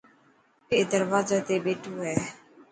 اي دروازي تي ٻيٺو هي.